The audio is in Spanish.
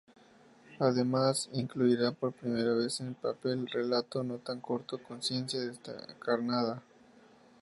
Además incluirá por primera vez en papel el relato no tan corto "Conciencia Descarnada".